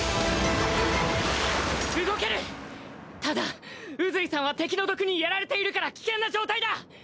ただ宇髄さんは敵の毒にやられているから危険な状態だ！